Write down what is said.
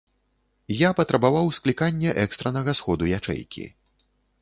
Я патрабаваў склікання экстраннага сходу ячэйкі.